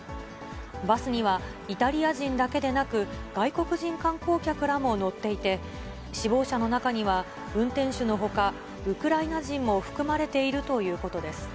バスにはイタリア人だけでなく、外国人観光客らも乗っていて、死亡者の中には運転手のほか、ウクライナ人も含まれているということです。